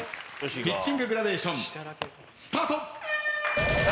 ピッチンググラデーションスタート。